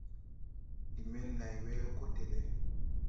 Ndi men nday wee ko télé.